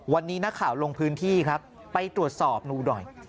วันนี้นักข่าวลงพื้นที่ครับไปตรวจสอบดูหน่อย